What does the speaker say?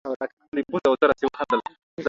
استاد وویل چې سرتیري لاره ورکه کړه.